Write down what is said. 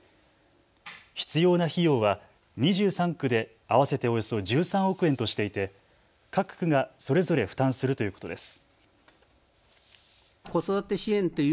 必要な費用は２３区で合わせておよそ１３億円としていて各区がそれぞれ負担するということです。